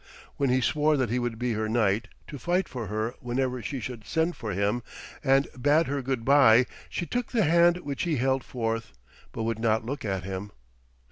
When he swore that he would be her knight, to fight for her whenever she should send for him, and bade her good bye, she took the hand which he held forth, but would not look at him.